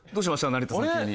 成田さん急に。